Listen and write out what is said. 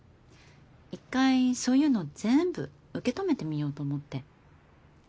一回そういうの全部受け止めてみようと思って。